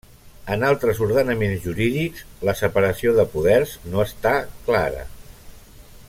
En altres ordenaments jurídics, la separació de poders no està clara.